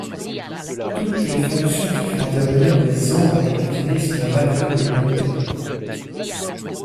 Toutes les fonctions qui font intervenir des angles utilisent le radian comme unité.